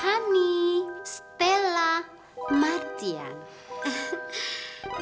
bungkuk keluar dari bukitsep